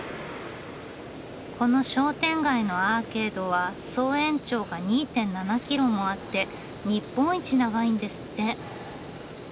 この商店街のアーケードは総延長が２．７キロもあって日本一長いんですって。